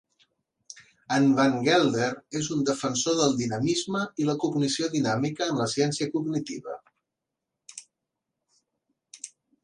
En Van Gelder és un defensor del dinamisme i la cognició dinàmica en la ciència cognitiva.